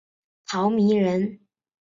陶弼人。